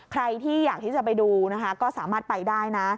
ใครที่อยากที่จะไปดูนะคะก็สามารถไปได้นะ